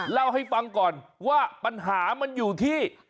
เล่าให้ฟังก่อนว่าปัญหามันอยู่ที่